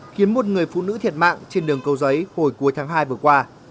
khiến một người phụ nữ thiệt mạng trên đường cầu giấy hồi cuối tháng hai vừa qua